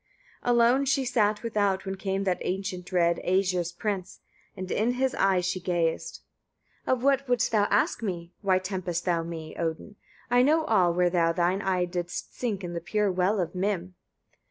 21. Alone she sat without, when came that ancient dread Æsir's prince; and in his eye she gazed. 22. "Of what wouldst thou ask me? Why temptest thou me? Odin! I know all, where thou thine eye didst sink in the pure well of Mim."